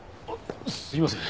すいません